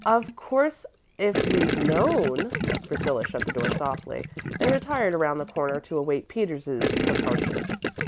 Of course if we'd known " Priscilla shut the door softly, and retired around the corner to await Peters's departure.